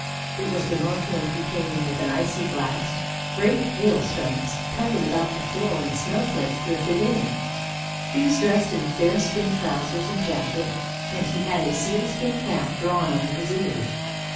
It was the Northwind who came in with an icy blast, great hailstones THE GARDEN OF PARADISE 159 peppered about the floor and snowflakes drifted in. He was dressed in bearskin trousers and jacket, and he had a sealskin cap drawn over his ears.